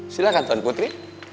silahkan tuan putri